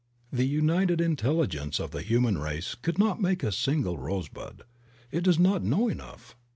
The united intelligence of the human race could not make a single rose bud; it does not know enough.